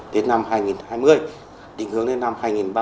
đến năm hai nghìn hai mươi định hướng đến năm hai nghìn ba mươi